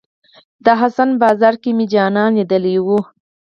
د حسن په بازار کې مې جانان ليدلی وه.